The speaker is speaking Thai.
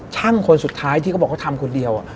คนสุดท้ายที่เขาบอกเขาทำคนเดียว